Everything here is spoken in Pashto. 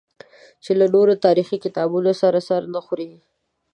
چې له نورو تاریخي کتابونو سره سر نه خوري.